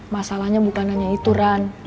masalahnya bukan hanya itu run